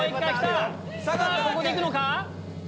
ここで行くのか？